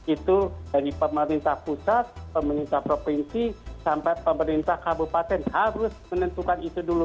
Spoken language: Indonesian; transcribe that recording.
itu dari pemerintah pusat pemerintah provinsi sampai pemerintah kabupaten harus menentukan itu dulu